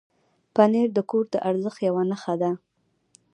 پنېر د کور د ارزښت یو نښه ده.